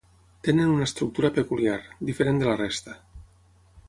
Tenen una estructura peculiar, diferent de la resta.